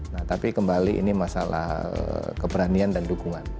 nah tapi kembali ini masalah keberanian dan dukungan